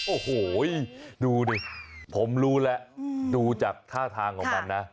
โอ้โหดูดิผมรู้แล้วดูจากท่าทางของมันนะ